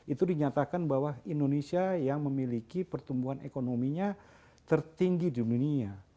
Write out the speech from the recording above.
itu dinyatakan bahwa indonesia yang memiliki pertumbuhan ekonominya tertinggi di dunia